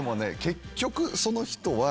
結局その人は